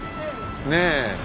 ねえ。